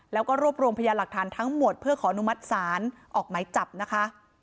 แล้วก็รวบรวมพยานหลักฐานทั้งหมดเพื่อขออนุมัติศาลออกหมายจับนะคะ